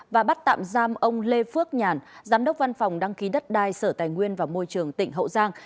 và bắt tạm giam ông lê phước nhàn giám đốc văn phòng đăng ký đất đai sở tài nguyên và môi trường tỉnh hậu giang